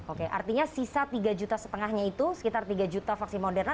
oke artinya sisa tiga juta setengahnya itu sekitar tiga juta vaksin moderna